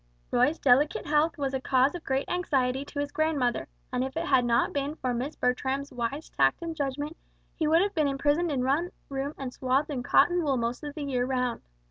Roy's delicate health was a cause of great anxiety to his grandmother, and if it had not been for Miss Bertram's wise tact and judgment, he would have been imprisoned in one room and swathed in cotton wool most of the year round.